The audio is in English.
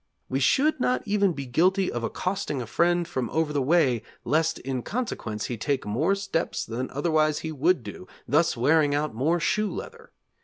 We should not even be guilty of accosting a friend from over the way lest in consequence he take more steps than otherwise he would do, thus wearing out more shoe leather.